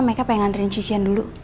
mika pengen nganterin cucian dulu